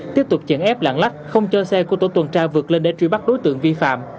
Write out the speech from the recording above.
tiếp tục chèn ép lạng lách không cho xe của tổ tuần tra vượt lên để truy bắt đối tượng vi phạm